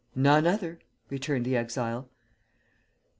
"None other," returned the exile.